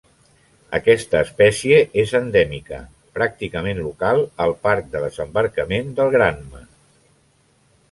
Aquesta espècie és endèmica, pràcticament local al Parc de Desembarcament del Granma.